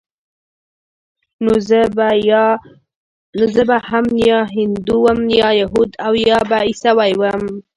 نو زه به هم يا هندو وم يا يهود او يا به عيسوى وم.